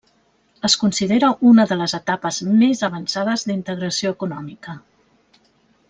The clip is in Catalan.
Es considera una de les etapes més avançades d'integració econòmica.